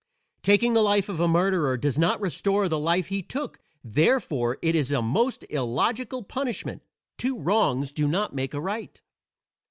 "Taking the life of a murderer does not restore the life he took, therefore it is a most illogical punishment. Two wrongs do not make a right."